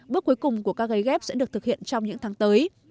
bước cuối cùng của cary ghép sẽ được thực hiện trong những tháng tới